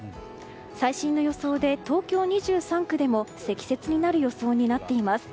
最新の予想で東京２３区でも積雪になる予想になっています。